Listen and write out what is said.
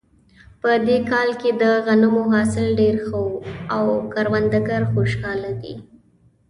په دې کال کې د غنمو حاصل ډېر ښه و او کروندګر خوشحاله دي